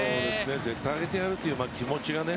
絶対上げてやるという気持ちがね。